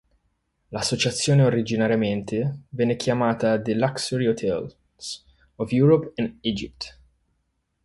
L'associazione originariamente venne chiamata The Luxury Hotels of Europe and Egypt.